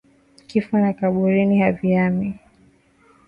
Kifo na kaburi haviumi